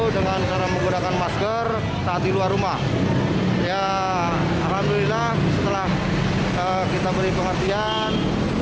dengan cara menggunakan masker saat di luar rumah ya alhamdulillah setelah kita beri pengertian